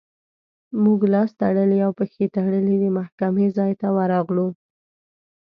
موږ لاس تړلي او پښې تړلي د محکمې ځای ته ورغلو.